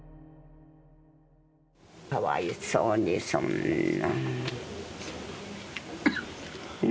かわいそうに、そんなん。